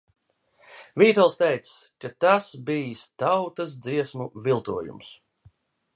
"Vītols teicis, ka "tas bijis tautas dziesmas viltojums"."